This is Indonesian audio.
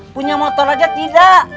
punya motor aja tidak